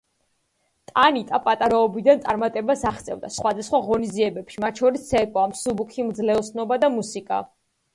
ტანიტა პატარაობიდან წარმატებას აღწევდა სხვადასხვა ღონისძიებებში, მათ შორის ცეკვა, მსუბუქი მძლეოსნობა და მუსიკა.